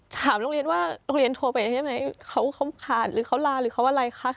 ถามโรงเรียนว่าโรงเรียนโทรไปใช่ไหมเขาขาดหรือเขาลาหรือเขาอะไรคะ